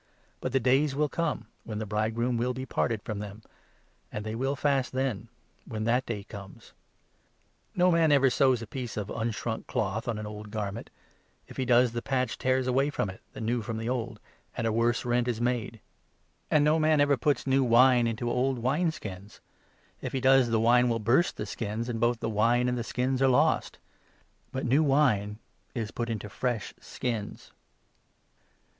But the days will come, when the 20 bridegroom will He parted from them, and they will fast then — when that day comes. No man ever sews a piece of 21 unshrunk cloth on an old garment ; if he does, the patch tears away from it — the new from the old — and a worse rent is w Dan. 7. 13. MARK, 2—3. 9 made. And no man ever puts new wine into old wine skins ; 22 if he does, the wine will burst the skins, and both the wine and the skins are lost. But new wine is put into fresh skins."